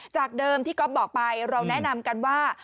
จากเดิมที่ก๊อฟบอกไปเราแนะนำกันว่า